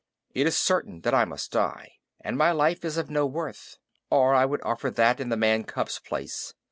It is certain that I must die, and my life is of no worth, or I would offer that in the man cub's place.